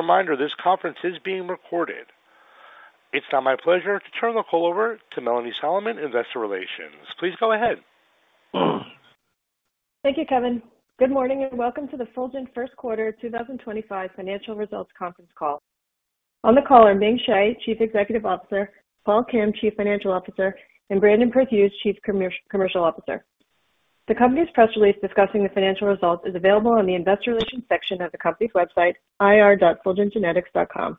Reminder, this conference is being recorded. It's now my pleasure to turn the call over to Melanie Solomon, Investor Relations. Please go ahead. Thank you, Kevin. Good morning and welcome to the Fulgent First Quarter 2025 Financial Results Conference Call. On the call are Ming Hsieh, Chief Executive Officer; Paul Kim, Chief Financial Officer; and Brandon Perthuis, Chief Commercial Officer. The company's press release discussing the financial results is available on the Investor Relations section of the company's website, ir.fulgentgenetics.com.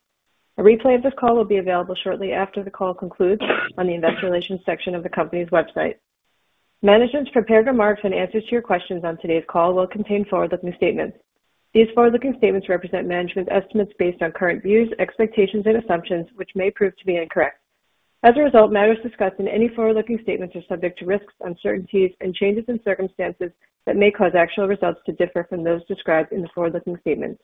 A replay of this call will be available shortly after the call concludes on the Investor Relations section of the company's website. Management's prepared remarks and answers to your questions on today's call will contain forward-looking statements. These forward-looking statements represent management's estimates based on current views, expectations, and assumptions, which may prove to be incorrect. As a result, matters discussed in any forward-looking statements are subject to risks, uncertainties, and changes in circumstances that may cause actual results to differ from those described in the forward-looking statements.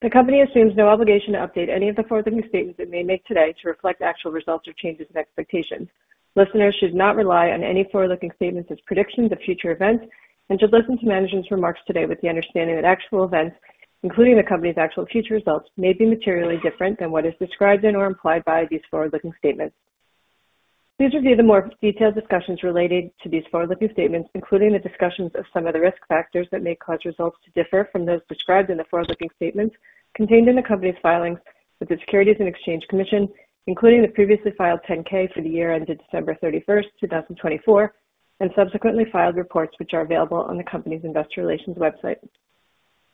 The company assumes no obligation to update any of the forward-looking statements it may make today to reflect actual results or changes in expectations. Listeners should not rely on any forward-looking statements as predictions of future events and should listen to management's remarks today with the understanding that actual events, including the company's actual future results, may be materially different than what is described in or implied by these forward-looking statements. Please review the more detailed discussions related to these forward-looking statements, including the discussions of some of the risk factors that may cause results to differ from those described in the forward-looking statements contained in the company's filings with the Securities and Exchange Commission, including the previously file 10-K for the year ended December 31, 2024, and subsequently filed reports which are available on the company's Investor Relations website.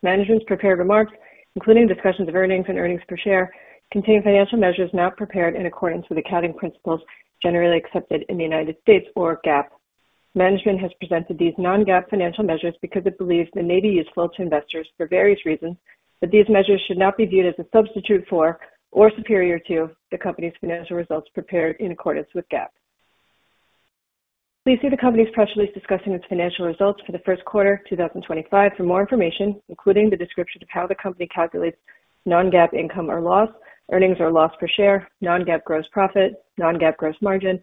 Management's prepared remarks, including discussions of earnings and earnings per share, contain financial measures not prepared in accordance with accounting principles generally accepted in the United States, or GAAP. Management has presented these non-GAAP financial measures because it believes they may be useful to investors for various reasons, but these measures should not be viewed as a substitute for or superior to the company's financial results prepared in accordance with GAAP. Please see the company's press release discussing its financial results for the first quarter of 2025 for more information, including the description of how the company calculates non-GAAP income or loss, earnings or loss per share, non-GAAP gross profit, non-GAAP gross margin,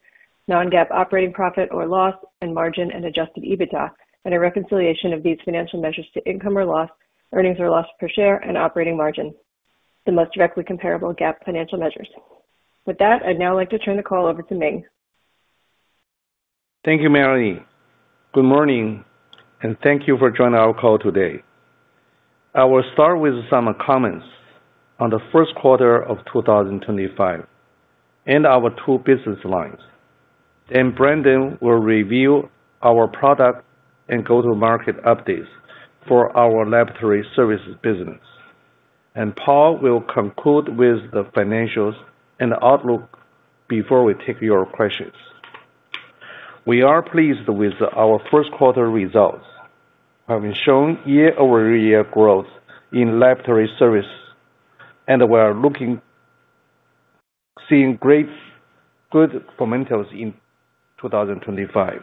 non-GAAP operating profit or loss, and margin and adjusted EBITDA, and a reconciliation of these financial measures to income or loss, earnings or loss per share, and operating margin, the most directly comparable GAAP financial measures. With that, I'd now like to turn the call over to Ming. Thank you, Melanie. Good morning, and thank you for joining our call today. I will start with some comments on the first quarter of 2025 and our two business lines. Brandon will review our product and go-to-market updates for our laboratory services business. Paul will conclude with the financials and outlook before we take your questions. We are pleased with our first quarter results. We have shown year-over-year growth in laboratory services, and we are looking to see great good fundamentals in 2025.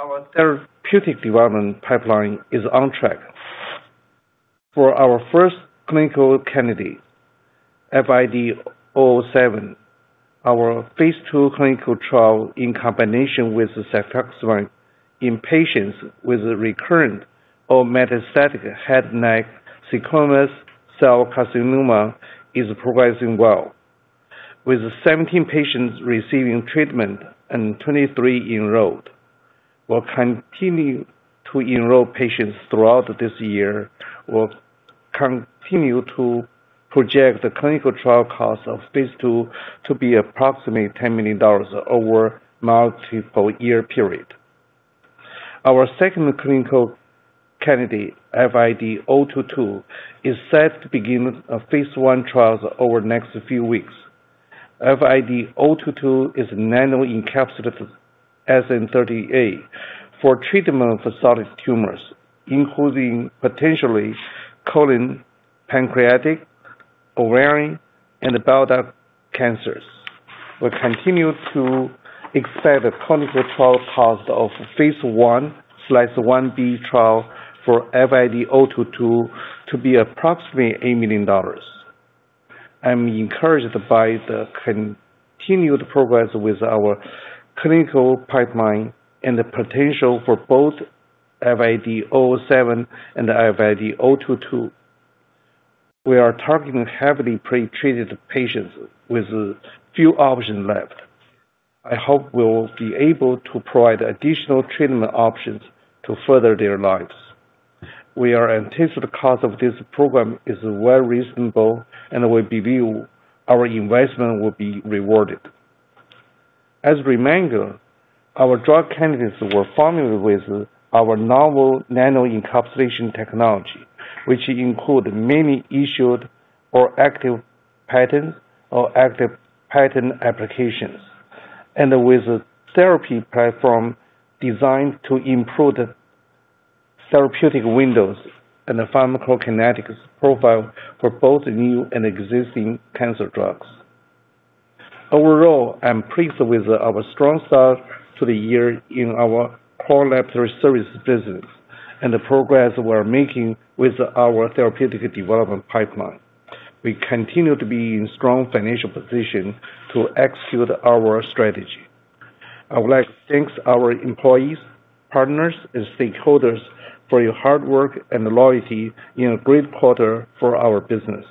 Our therapeutic development pipeline is on track. For our first clinical candidate, FID-007, our phase II clinical trial in combination with cefuroxime in patients with recurrent or metastatic head and neck squamous cell carcinoma is progressing well, with 17 patients receiving treatment and 23 enrolled. We'll continue to enroll patients throughout this year. We'll continue to project the clinical trial cost of phase II to be approximately $10 million over a multiple year period. Our second clinical candidate, FID-022, is set to begin phase one trials over the next few weeks. FID-022 is nano-encapsulated SN-38 for treatment of solid tumors, including potentially colon, pancreatic, ovarian, and bowel cancers. We continue to expect the clinical trial cost of phase one/one B trial for FID-022 to be approximately $8 million. I'm encouraged by the continued progress with our clinical pipeline and the potential for both FID-007 and FID-022. We are targeting heavily pretreated patients with few options left. I hope we will be able to provide additional treatment options to further their lives. We are anticipating the cost of this program is well reasonable, and we believe our investment will be rewarded. As a reminder, our drug candidates were formulated with our novel nano-encapsulation technology, which includes many issued or active patents or active patent applications, and with a therapy platform designed to improve therapeutic windows and pharmacokinetics profile for both new and existing cancer drugs. Overall, I'm pleased with our strong start to the year in our core laboratory services business and the progress we are making with our therapeutic development pipeline. We continue to be in a strong financial position to execute our strategy. I would like to thank our employees, partners, and stakeholders for your hard work and loyalty in the great quarter for our business.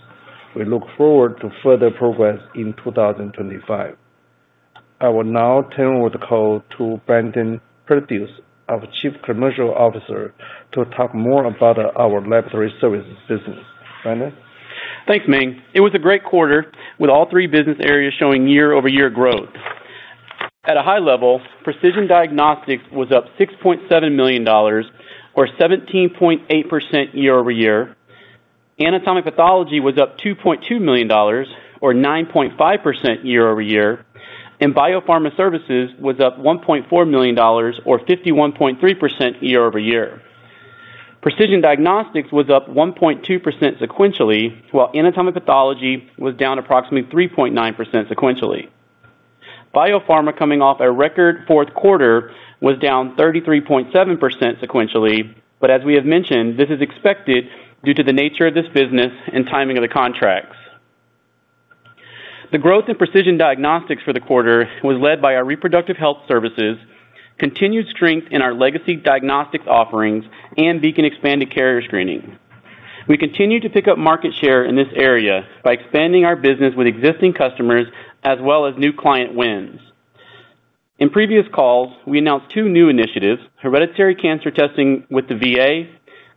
We look forward to further progress in 2025. I will now turn over the call to Brandon Perthuis, our Chief Commercial Officer, to talk more about our laboratory services business. Brandon? Thanks, Ming. It was a great quarter with all three business areas showing year-over-year growth. At a high level, precision diagnostics was up $6.7 million, or 17.8% year-over-year. Anatomic pathology was up $2.2 million, or 9.5% year-over-year. Biopharma services was up $1.4 million, or 51.3% year-over-year. Precision diagnostics was up 1.2% sequentially, while anatomic pathology was down approximately 3.9% sequentially. Biopharma, coming off a record fourth quarter, was down 33.7% sequentially, but as we have mentioned, this is expected due to the nature of this business and timing of the contracts. The growth in precision diagnostics for the quarter was led by our reproductive health services, continued strength in our legacy diagnostics offerings, and Beacon expanded carrier screening. We continue to pick up market share in this area by expanding our business with existing customers as well as new client wins. In previous calls, we announced two new initiatives: hereditary cancer testing with the VA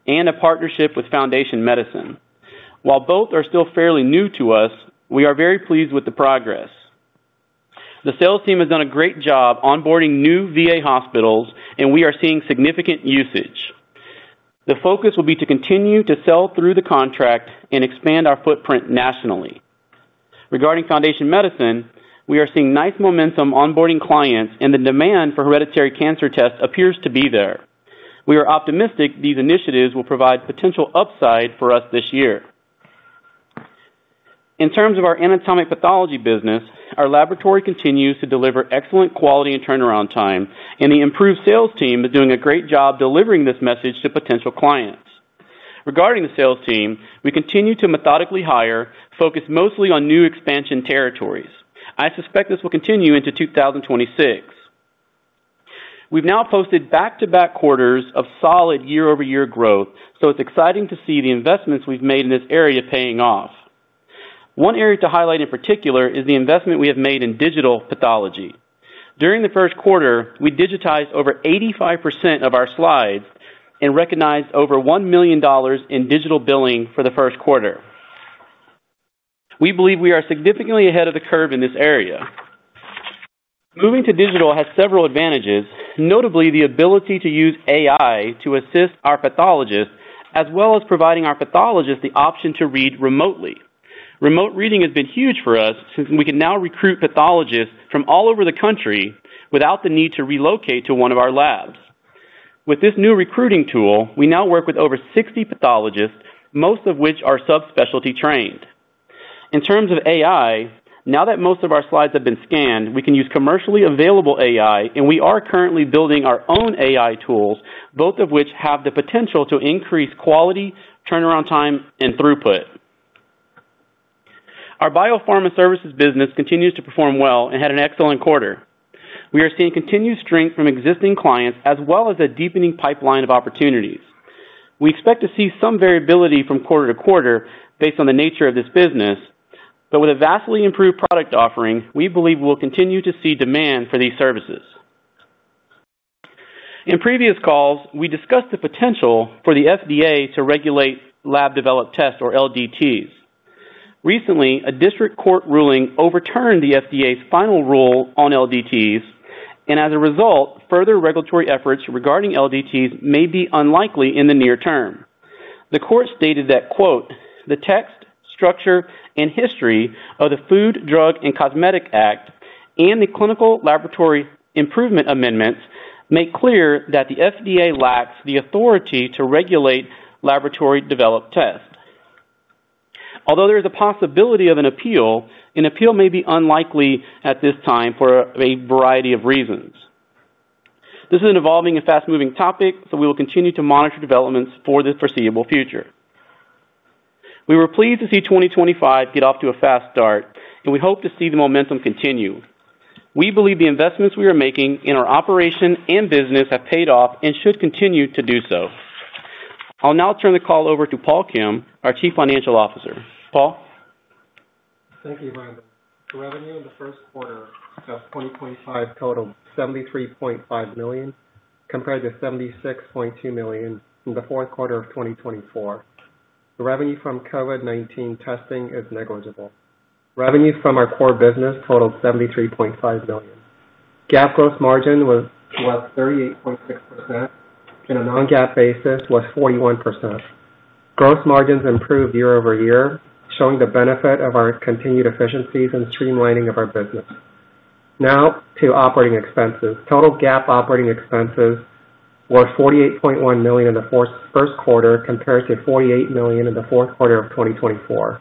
and a partnership with Foundation Medicine. While both are still fairly new to us, we are very pleased with the progress. The sales team has done a great job onboarding new VA hospitals, and we are seeing significant usage. The focus will be to continue to sell through the contract and expand our footprint nationally. Regarding Foundation Medicine, we are seeing nice momentum onboarding clients, and the demand for hereditary cancer tests appears to be there. We are optimistic these initiatives will provide potential upside for us this year. In terms of our anatomic pathology business, our laboratory continues to deliver excellent quality and turnaround time, and the improved sales team is doing a great job delivering this message to potential clients. Regarding the sales team, we continue to methodically hire, focused mostly on new expansion territories. I suspect this will continue into 2026. We've now posted back-to-back quarters of solid year-over-year growth, so it's exciting to see the investments we've made in this area paying off. One area to highlight in particular is the investment we have made in digital pathology. During the first quarter, we digitized over 85% of our slides and recognized over $1 million in digital billing for the first quarter. We believe we are significantly ahead of the curve in this area. Moving to digital has several advantages, notably the ability to use AI to assist our pathologists, as well as providing our pathologists the option to read remotely. Remote reading has been huge for us since we can now recruit pathologists from all over the country without the need to relocate to one of our labs. With this new recruiting tool, we now work with over 60 pathologists, most of which are subspecialty trained. In terms of AI, now that most of our slides have been scanned, we can use commercially available AI, and we are currently building our own AI tools, both of which have the potential to increase quality, turnaround time, and throughput. Our biopharma services business continues to perform well and had an excellent quarter. We are seeing continued strength from existing clients as well as a deepening pipeline of opportunities. We expect to see some variability from quarter to quarter based on the nature of this business, but with a vastly improved product offering, we believe we will continue to see demand for these services. In previous calls, we discussed the potential for the FDA to regulate lab-developed tests, or LDTs. Recently, a district court ruling overturned the FDA's final rule on LDTs, and as a result, further regulatory efforts regarding LDTs may be unlikely in the near term. The court stated that, "The text, structure, and history of the Food, Drug, and Cosmetic Act and the clinical laboratory improvement amendments make clear that the FDA lacks the authority to regulate laboratory-developed tests." Although there is a possibility of an appeal, an appeal may be unlikely at this time for a variety of reasons. This is an evolving and fast-moving topic, so we will continue to monitor developments for the foreseeable future. We were pleased to see 2025 get off to a fast start, and we hope to see the momentum continue. We believe the investments we are making in our operation and business have paid off and should continue to do so. I'll now turn the call over to Paul Kim, our Chief Financial Officer. Paul? Thank you, Brandon. The revenue in the first quarter of 2025 totaled $73.5 million compared to $76.2 million in the fourth quarter of 2024. The revenue from COVID-19 testing is negligible. Revenue from our core business totaled $73.5 million. GAAP gross margin was 38.6%, and on a non-GAAP basis was 41%. Gross margins improved year-over-year, showing the benefit of our continued efficiencies and streamlining of our business. Now to operating expenses. Total GAAP operating expenses were $48.1 million in the first quarter compared to $48 million in the fourth quarter of 2024.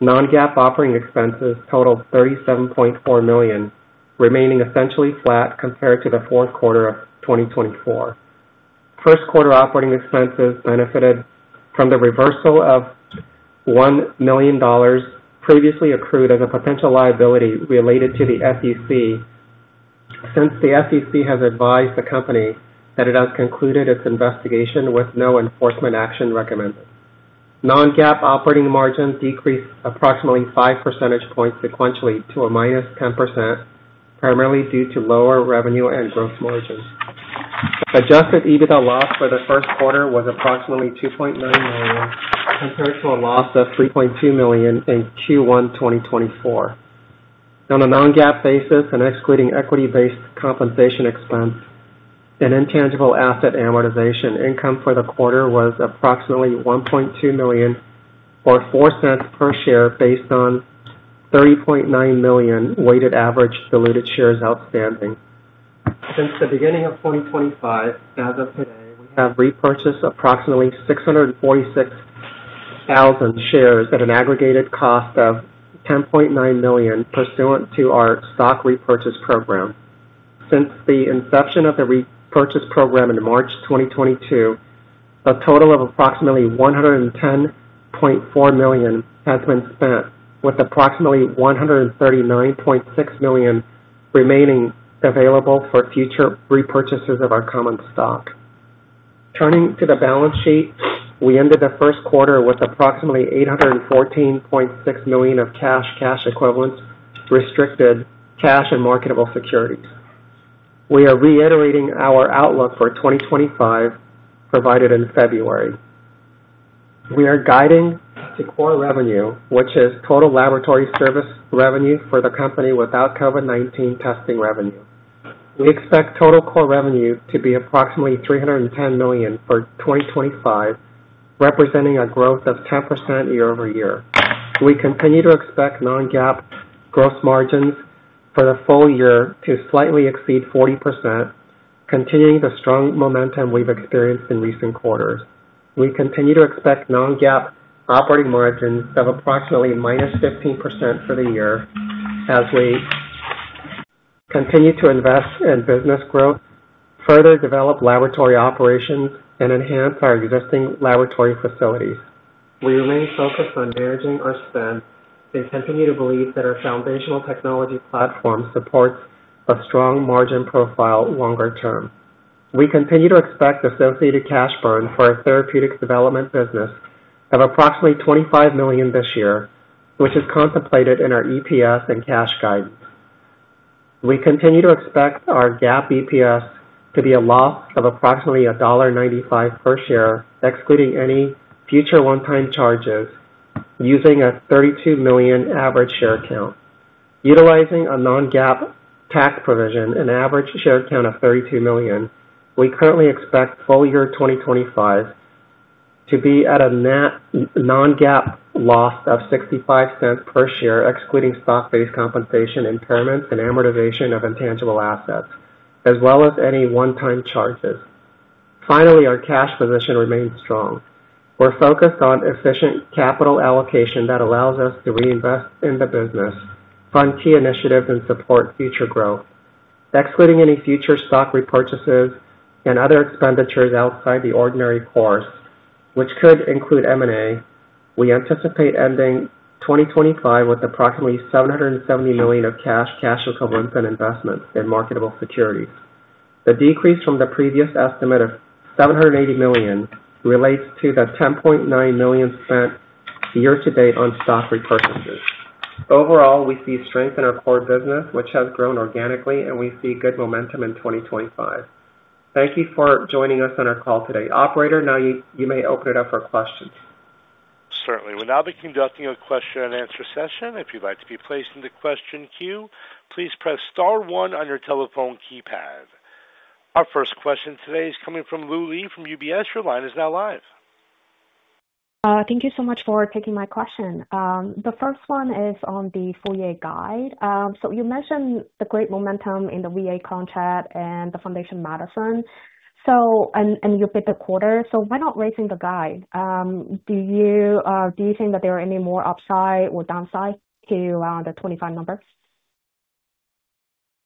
Non-GAAP operating expenses totaled $37.4 million, remaining essentially flat compared to the fourth quarter of 2024. First quarter operating expenses benefited from the reversal of $1 million previously accrued as a potential liability related to the FEC since the FEC has advised the company that it has concluded its investigation with no enforcement action recommended. Non-GAAP operating margins decreased approximately 5 percentage points sequentially to a minus 10%, primarily due to lower revenue and gross margins. Adjusted EBITDA loss for the first quarter was approximately $2.9 million compared to a loss of $3.2 million in Q1 2024. On a non-GAAP basis and excluding equity-based compensation expense, and intangible asset amortization, income for the quarter was approximately $1.2 million or $0.04 per share based on 30.9 million weighted average diluted shares outstanding. Since the beginning of 2025, as of today, we have repurchased approximately 646,000 shares at an aggregate cost of $10.9 million pursuant to our stock repurchase program. Since the inception of the repurchase program in March 2022, a total of approximately $110.4 million has been spent, with approximately $139.6 million remaining available for future repurchases of our common stock. Turning to the balance sheet, we ended the first quarter with approximately $814.6 million of cash, cash equivalents, restricted cash, and marketable securities. We are reiterating our outlook for 2025 provided in February. We are guiding to core revenue, which is total laboratory service revenue for the company without COVID-19 testing revenue. We expect total core revenue to be approximately $310 million for 2025, representing a growth of 10% year-over-year. We continue to expect non-GAAP gross margins for the full year to slightly exceed 40%, continuing the strong momentum we've experienced in recent quarters. We continue to expect non-GAAP operating margins of approximately minus 15% for the year as we continue to invest in business growth, further develop laboratory operations, and enhance our existing laboratory facilities. We remain focused on managing our spend and continue to believe that our foundational technology platform supports a strong margin profile longer term. We continue to expect associated cash burn for our therapeutic development business of approximately $25 million this year, which is contemplated in our EPS and cash guidance. We continue to expect our GAAP EPS to be a loss of approximately $1.95 per share, excluding any future one-time charges, using a $32 million average share count. Utilizing a non-GAAP tax provision and average share count of $32 million, we currently expect full year 2025 to be at a non-GAAP loss of $0.65 per share, excluding stock-based compensation impairments and amortization of intangible assets, as well as any one-time charges. Finally, our cash position remains strong. We're focused on efficient capital allocation that allows us to reinvest in the business, fund key initiatives, and support future growth, excluding any future stock repurchases and other expenditures outside the ordinary course, which could include M&A. We anticipate ending 2025 with approximately $770 million of cash, cash equivalents, and investments in marketable securities. The decrease from the previous estimate of $780 million relates to the $10.9 million spent year-to-date on stock repurchases. Overall, we see strength in our core business, which has grown organically, and we see good momentum in 2025. Thank you for joining us on our call today. Operator, now you may open it up for questions. Certainly. We'll now be conducting a question-and-answer session. If you'd like to be placed in the question queue, please press Star one on your telephone keypad. Our first question today is coming from Lu Li from UBS. Your line is now live. Thank you so much for taking my question. The first one is on the full-year guide. You mentioned the great momentum in the VA contract and the Foundation Medicine, and you picked the quarter. Why not raising the guide? Do you think that there are any more upside or downside to the 25 numbers?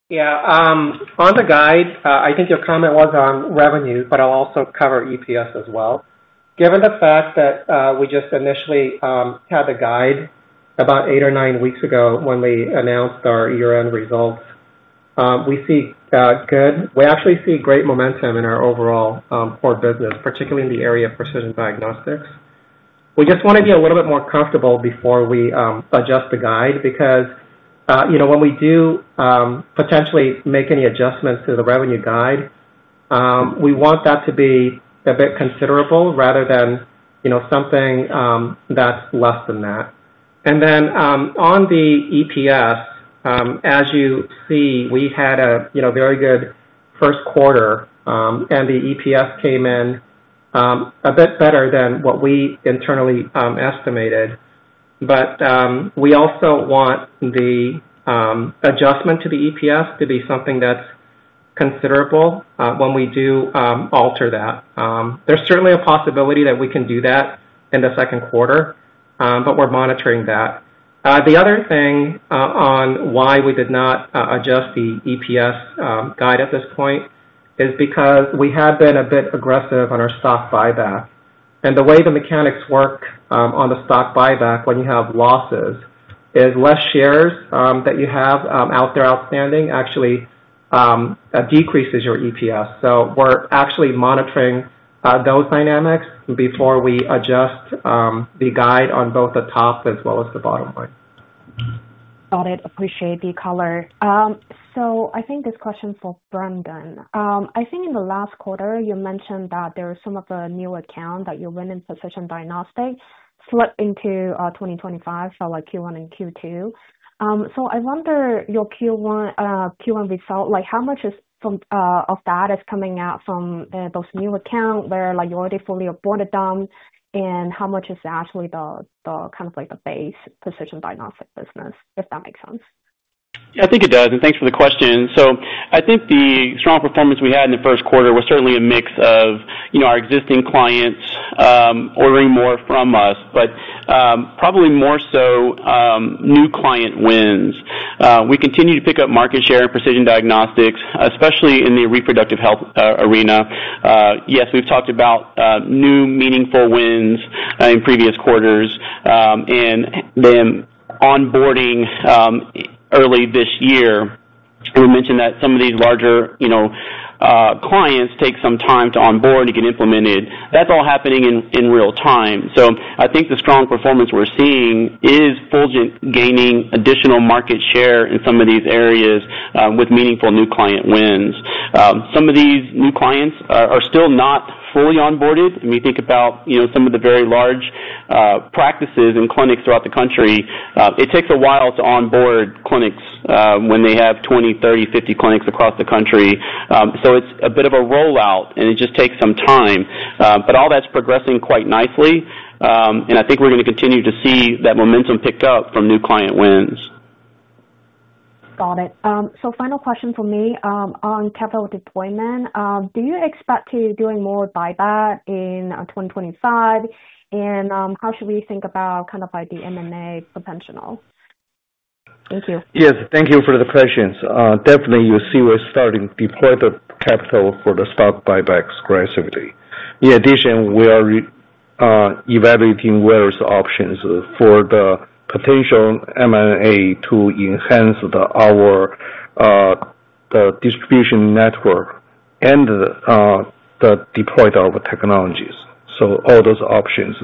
Yeah. On the guide, I think your comment was on revenue, but I'll also cover EPS as well. Given the fact that we just initially had the guide about eight or nine weeks ago when we announced our year-end results, we see good. We actually see great momentum in our overall core business, particularly in the area of precision diagnostics. We just want to be a little bit more comfortable before we adjust the guide because when we do potentially make any adjustments to the revenue guide, we want that to be a bit considerable rather than something that's less than that. On the EPS, as you see, we had a very good first quarter, and the EPS came in a bit better than what we internally estimated. We also want the adjustment to the EPS to be something that's considerable when we do alter that. There's certainly a possibility that we can do that in the second quarter, but we're monitoring that. The other thing on why we did not adjust the EPS guide at this point is because we had been a bit aggressive on our stock buyback. The way the mechanics work on the stock buyback when you have losses is less shares that you have out there outstanding actually decreases your EPS. We're actually monitoring those dynamics before we adjust the guide on both the top as well as the bottom line. Got it. Appreciate the color. I think this question for Brandon. I think in the last quarter, you mentioned that there was some of a new account that you went into precision diagnostics slipped into 2025, like Q1 and Q2. I wonder, your Q1 result, how much of that is coming out from those new accounts where you already fully onboarded them, and how much is actually the kind of like the base precision diagnostic business, if that makes sense? Yeah, I think it does. Thanks for the question. I think the strong performance we had in the first quarter was certainly a mix of our existing clients ordering more from us, but probably more so new client wins. We continue to pick up market share in precision diagnostics, especially in the reproductive health arena. Yes, we've talked about new meaningful wins in previous quarters and then onboarding early this year. We mentioned that some of these larger clients take some time to onboard and get implemented. That's all happening in real time. I think the strong performance we're seeing is Fulgent gaining additional market share in some of these areas with meaningful new client wins. Some of these new clients are still not fully onboarded. When you think about some of the very large practices and clinics throughout the country, it takes a while to onboard clinics when they have 20, 30, 50 clinics across the country. It is a bit of a rollout, and it just takes some time. All that is progressing quite nicely, and I think we're going to continue to see that momentum pick up from new client wins. Got it. Final question for me on capital deployment. Do you expect to be doing more buyback in 2025? How should we think about kind of like the M&A potential? Thank you. Yes. Thank you for the questions. Definitely, you see we're starting to deploy the capital for the stock buybacks aggressively. In addition, we are evaluating various options for the potential M&A to enhance our distribution network and the deployment of technologies. All those options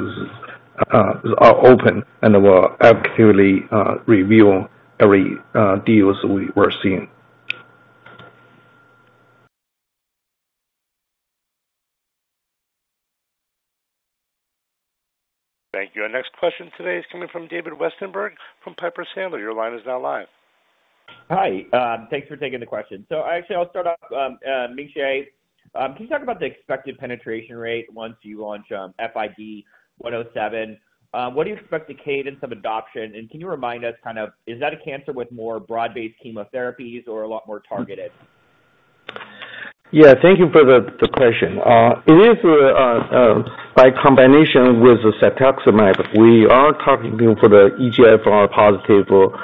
are open, and we'll actively review every deal we're seeing. Thank you. Our next question today is coming from David Westenberg from Piper Sandler. Your line is now live. Hi. Thanks for taking the question. Actually, I'll start off. Ming Hsieh, can you talk about the expected penetration rate once you launch FID-107? What do you expect to cave in some adoption? Can you remind us kind of is that a cancer with more broad-based chemotherapies or a lot more targeted? Yeah. Thank you for the question. It is by combination with cetuximab. We are targeting for the EGFR-positive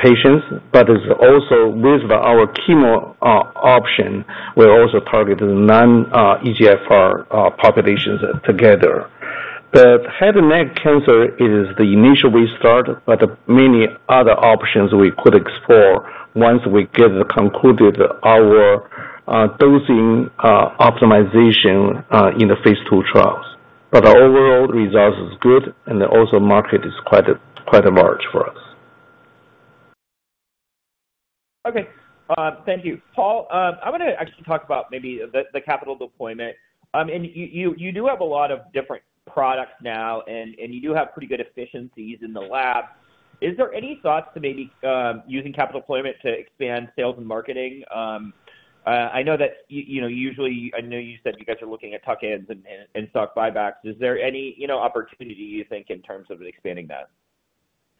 patients, but also with our chemo option, we're also targeting non-EGFR populations together. The head and neck cancer is the initial restart, yet many other options we could explore once we get concluded our dosing optimization in the phase II trials. The overall result is good, and also market is quite large for us. Okay. Thank you. Paul, I want to actually talk about maybe the capital deployment. You do have a lot of different products now, and you do have pretty good efficiencies in the lab. Is there any thoughts to maybe using capital deployment to expand sales and marketing? I know that usually, I know you said you guys are looking at tuck-ins and stock buybacks. Is there any opportunity, you think, in terms of expanding that?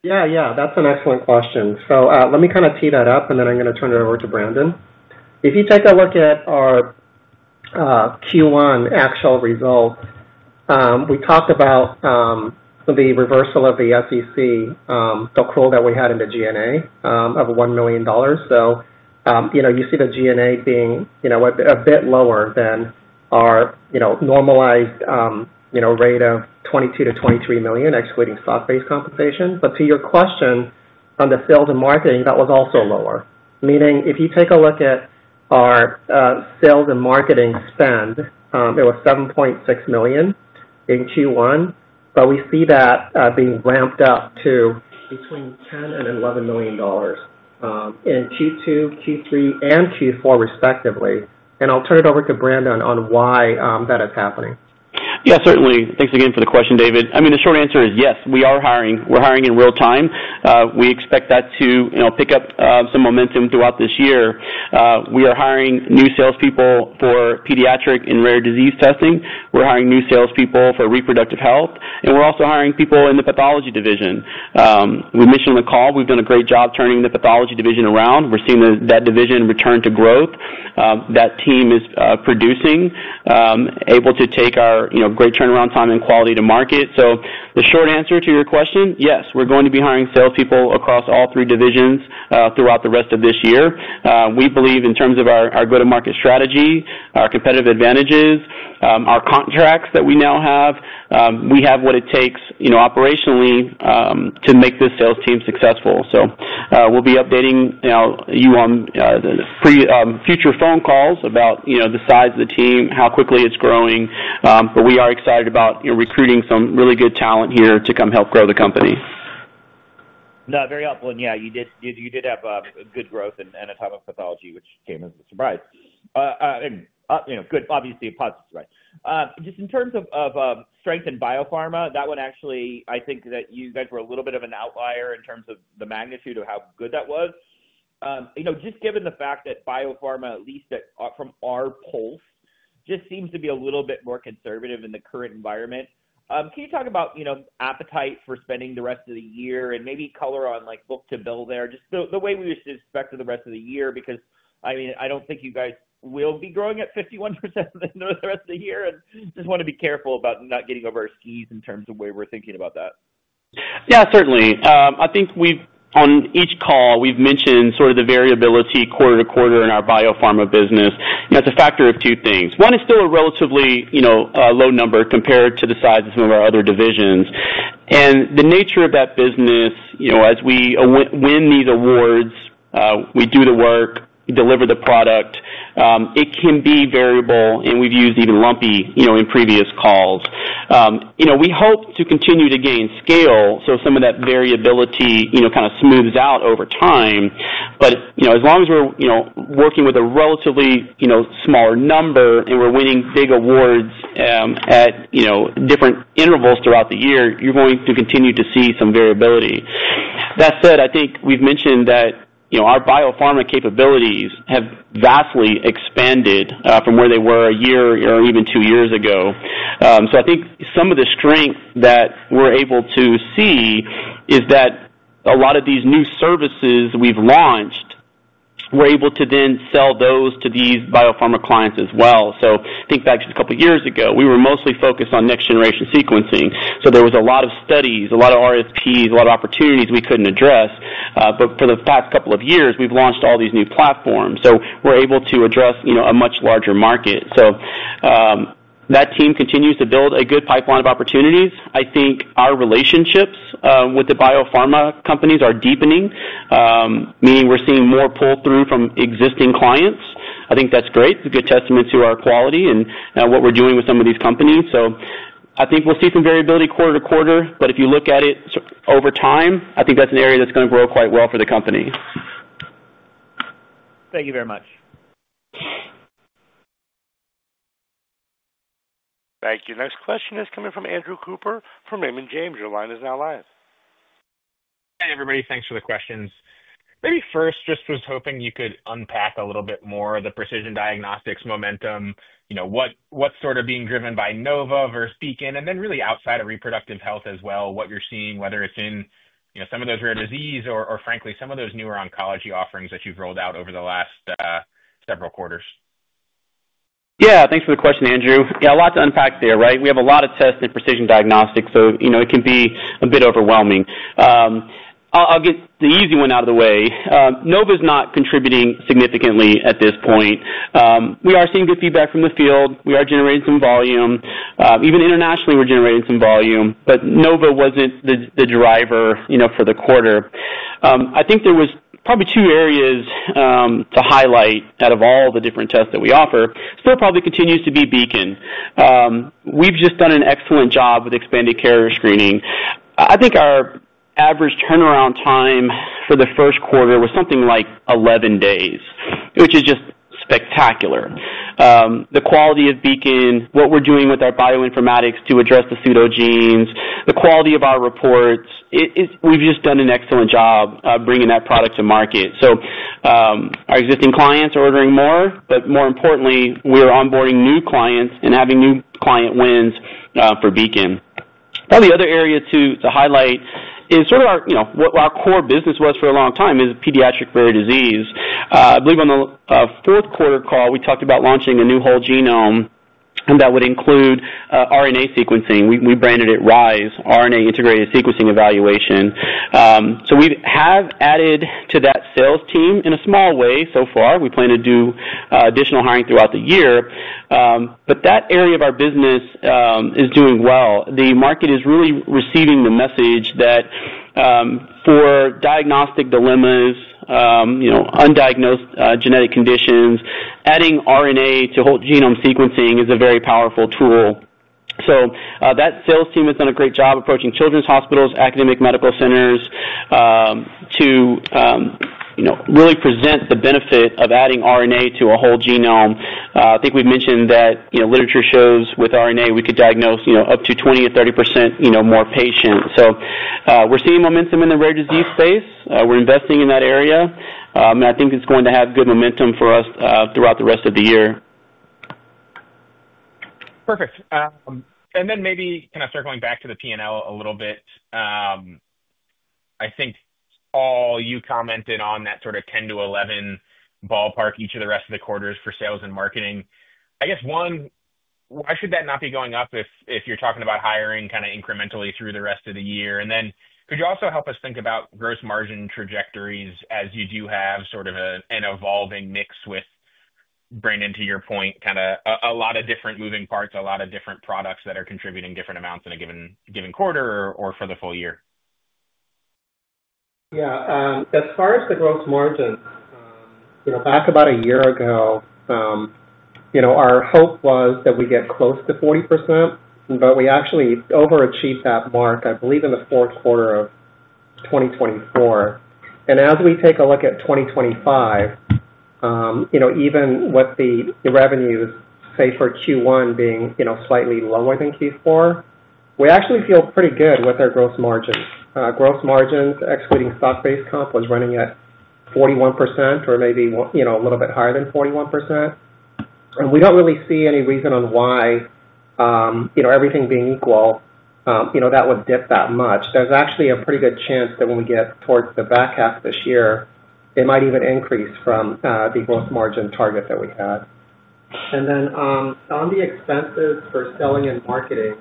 Yeah, yeah. That's an excellent question. Let me kind of tee that up, and then I'm going to turn it over to Brandon. If you take a look at our Q1 actual results, we talked about the reversal of the FEC, the accrual that we had in the G&A of $1 million. You see the G&A being a bit lower than our normalized rate of $22 million-$23 million, excluding stock-based compensation. To your question on the sales and marketing, that was also lower. Meaning, if you take a look at our sales and marketing spend, it was $7.6 million in Q1, but we see that being ramped up to between $10 million-$11 million in Q2, Q3, and Q4, respectively. I'll turn it over to Brandon on why that is happening. Yeah, certainly. Thanks again for the question, David. I mean, the short answer is yes. We are hiring. We're hiring in real time. We expect that to pick up some momentum throughout this year. We are hiring new salespeople for pediatric and rare disease testing. We're hiring new salespeople for reproductive health. We're also hiring people in the pathology division. We mentioned in the call, we've done a great job turning the pathology division around. We're seeing that division return to growth. That team is producing, able to take our great turnaround time and quality to market. The short answer to your question, yes, we're going to be hiring salespeople across all three divisions throughout the rest of this year. We believe, in terms of our go-to-market strategy, our competitive advantages, our contracts that we now have, we have what it takes operationally to make this sales team successful. We will be updating you on future phone calls about the size of the team, how quickly it is growing. We are excited about recruiting some really good talent here to come help grow the company. No, very helpful. Yeah, you did have good growth and a ton of pathology, which came as a surprise. Obviously, a positive surprise. Just in terms of strength in biopharma, that one actually, I think that you guys were a little bit of an outlier in terms of the magnitude of how good that was. Just given the fact that biopharma, at least from our pulse, just seems to be a little bit more conservative in the current environment. Can you talk about appetite for spending the rest of the year and maybe color on book to bill there, just the way we expect for the rest of the year? Because, I mean, I do not think you guys will be growing at 51% the rest of the year, and just want to be careful about not getting over our skis in terms of the way we are thinking about that. Yeah, certainly. I think on each call, we've mentioned sort of the variability quarter to quarter in our biopharma business. That's a factor of two things. One is still a relatively low number compared to the size of some of our other divisions. The nature of that business, as we win these awards, we do the work, we deliver the product, it can be variable, and we've used even lumpy in previous calls. We hope to continue to gain scale, so some of that variability kind of smooths out over time. As long as we're working with a relatively smaller number and we're winning big awards at different intervals throughout the year, you're going to continue to see some variability. That said, I think we've mentioned that our biopharma capabilities have vastly expanded from where they were a year or even two years ago. I think some of the strength that we're able to see is that a lot of these new services we've launched, we're able to then sell those to these biopharma clients as well. Think back a couple of years ago, we were mostly focused on next-generation sequencing. There was a lot of studies, a lot of RFPs, a lot of opportunities we couldn't address. For the past couple of years, we've launched all these new platforms. We're able to address a much larger market. That team continues to build a good pipeline of opportunities. I think our relationships with the biopharma companies are deepening, meaning we're seeing more pull-through from existing clients. I think that's great. It's a good testament to our quality and what we're doing with some of these companies. I think we'll see some variability quarter to quarter. If you look at it over time, I think that's an area that's going to grow quite well for the company. Thank you very much. Thank you. Next question is coming from Andrew Cooper from Raymond James. Your line is now live. Hey, everybody. Thanks for the questions. Maybe first, just was hoping you could unpack a little bit more of the precision diagnostics momentum. What's sort of being driven by KNOVA versus Beacon, and then really outside of reproductive health as well, what you're seeing, whether it's in some of those rare disease or, frankly, some of those newer oncology offerings that you've rolled out over the last several quarters. Yeah. Thanks for the question, Andrew. Yeah, a lot to unpack there, right? We have a lot of tests in precision diagnostics, so it can be a bit overwhelming. I'll get the easy one out of the way. KNOVA is not contributing significantly at this point. We are seeing good feedback from the field. We are generating some volume. Even internationally, we're generating some volume, but KNOVA wasn't the driver for the quarter. I think there was probably two areas to highlight out of all the different tests that we offer. Still probably continues to be Beacon. We've just done an excellent job with expanded carrier screening. I think our average turnaround time for the first quarter was something like 11 days, which is just spectacular. The quality of Beacon, what we're doing with our bioinformatics to address the pseudogenes, the quality of our reports, we've just done an excellent job bringing that product to market. Our existing clients are ordering more, but more importantly, we are onboarding new clients and having new client wins for Beacon. Probably the other area to highlight is sort of what our core business was for a long time, which is pediatric rare disease. I believe on the fourth quarter call, we talked about launching a new whole genome, and that would include RNA sequencing. We branded it RISE, RNA Integrated Sequencing Evaluation. We have added to that sales team in a small way so far. We plan to do additional hiring throughout the year. That area of our business is doing well. The market is really receiving the message that for diagnostic dilemmas, undiagnosed genetic conditions, adding RNA to whole genome sequencing is a very powerful tool. That sales team has done a great job approaching children's hospitals, academic medical centers to really present the benefit of adding RNA to a whole genome. I think we've mentioned that literature shows with RNA, we could diagnose up to 20-30% more patients. We're seeing momentum in the rare disease space. We're investing in that area. I think it's going to have good momentum for us throughout the rest of the year. Perfect. Maybe kind of circling back to the P&L a little bit, I think all you commented on that sort of 10-11 ballpark each of the rest of the quarters for sales and marketing. I guess one, why should that not be going up if you're talking about hiring kind of incrementally through the rest of the year? Could you also help us think about gross margin trajectories as you do have sort of an evolving mix with, Brandon, to your point, kind of a lot of different moving parts, a lot of different products that are contributing different amounts in a given quarter or for the full year? Yeah. As far as the gross margin, back about a year ago, our hope was that we get close to 40%, but we actually overachieved that mark, I believe, in the fourth quarter of 2024. As we take a look at 2025, even with the revenues, say, for Q1 being slightly lower than Q4, we actually feel pretty good with our gross margins. Gross margins, excluding stock-based comp, was running at 41% or maybe a little bit higher than 41%. We do not really see any reason on why everything being equal that would dip that much. There is actually a pretty good chance that when we get towards the back half of this year, it might even increase from the gross margin target that we had. On the expenses for selling and marketing,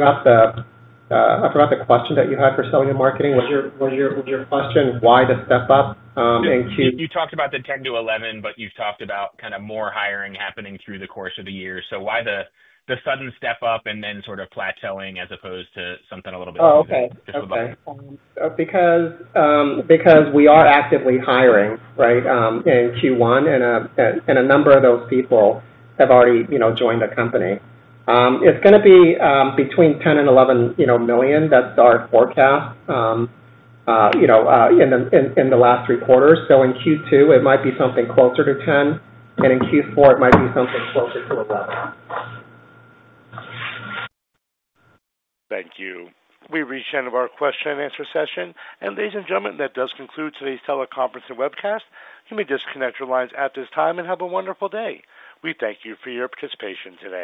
I forgot the question that you had for selling and marketing. Was your question why the step-up into? You talked about the 10-11, but you've talked about kind of more hiring happening through the course of the year. Why the sudden step-up and then sort of plateauing as opposed to something a little bit different? Oh, okay. Because we are actively hiring, right, in Q1, and a number of those people have already joined the company. It's going to be between $10 million and $11 million. That's our forecast in the last three quarters. In Q2, it might be something closer to $10 million, and in Q4, it might be something closer to $11 million. Thank you. We've reached the end of our question-and-answer session. Ladies and gentlemen, that does conclude today's teleconference and webcast. You may disconnect your lines at this time and have a wonderful day. We thank you for your participation today.